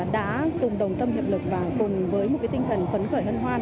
đã cùng đồng tâm hiệp lực và cùng với một tinh thần phấn khởi hân hoan